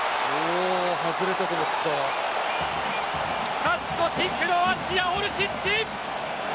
勝ち越し、クロアチアオルシッチ！